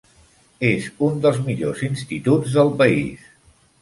És un dels millors instituts del país.